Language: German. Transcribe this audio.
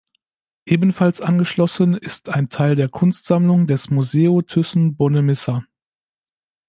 Ebenfalls angeschlossen ist ein Teil der Kunstsammlung des Museo Thyssen-Bornemisza.